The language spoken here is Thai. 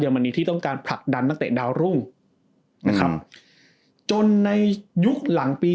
มณีที่ต้องการผลักดันนักเตะดาวรุ่งนะครับจนในยุคหลังปี